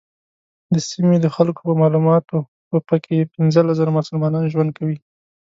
د سیمې د خلکو په معلوماتو په کې پنځلس زره مسلمانان ژوند کوي.